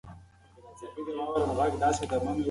خپلې ژمنې پوره کړئ.